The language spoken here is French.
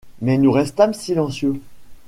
Mais nous restâmes silencieux.